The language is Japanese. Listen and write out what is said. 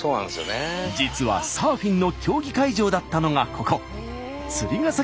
実はサーフィンの競技会場だったのがここ釣ヶ崎